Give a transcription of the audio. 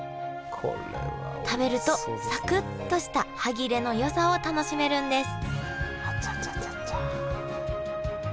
食べるとサクッとした歯切れのよさを楽しめるんですあちゃちゃちゃちゃ。